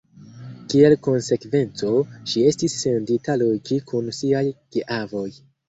Kiel konsekvenco, ŝi estis sendita loĝi kun siaj geavoj.